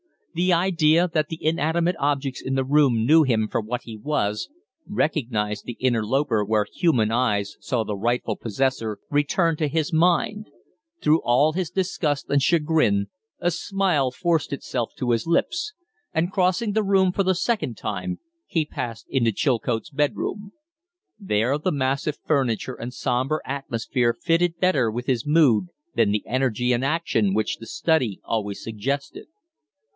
The idea that the inanimate objects in the room knew him for what he was recognized the interloper where human eyes saw the rightful possessor returned to his mind. Through all his disgust and chagrin a smile forced itself to his lips, and, crossing the room for the second time, he passed into Chilcote's bedroom. There the massive furniture and sombre atmosphere fitted better with his mood than the energy and action which the study always suggested.